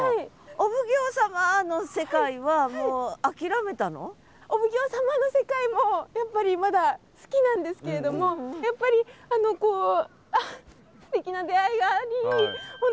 お奉行様の世界もやっぱりまだ好きなんですけれどもやっぱりこうすてきな出会いがあり本当